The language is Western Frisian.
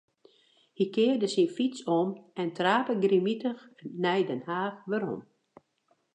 Hy kearde syn fyts om en trape grimmitich nei Den Haach werom.